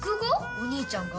お兄ちゃんが？